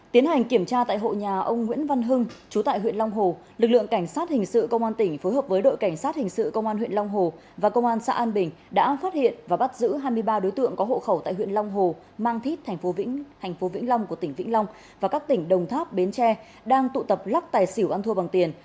tiến hành kiểm tra tại hộ nhà ông nguyễn văn hưng chú tại huyện long hồ lực lượng cảnh sát hình sự công an tỉnh phối hợp với đội cảnh sát hình sự công an huyện long hồ và công an xã an bình đã phát hiện và bắt giữ hai mươi ba đối tượng có hộ khẩu tại huyện long hồ mang thít thành phố vĩnh long của tỉnh vĩnh long và các tỉnh đồng tháp bến tre đang tụ tập lắc tài xỉu ăn thua bằng tiền